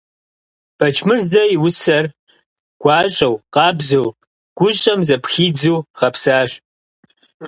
Бэчмырзэ и усэр гуащӀэу, къабзэу, гущӀэм зэпхидзу гъэпсащ.